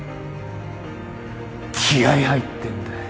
気合入ってんだよ！